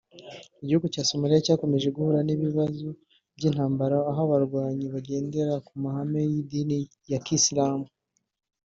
Igihugu cya Somalia cyakomeje guhura n’ibibazo by’intambara aho abarwanyi bagendera ku mahame y’idini ya Kisilamu